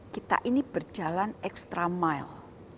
kita ini berjalan extra mile